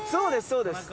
そうです